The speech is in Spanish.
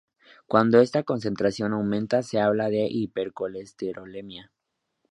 Cuando esta concentración aumenta se habla de hipercolesterolemia.